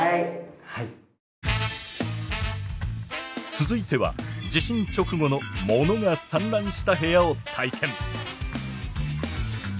続いては地震直後の物が散乱した部屋を体験！